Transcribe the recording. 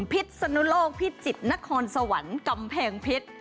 พิษสนุโลกพิจิตรนครสวรรค์กำแพงเพชร